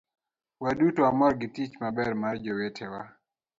waduto wamor gi tich maber mar jowetewa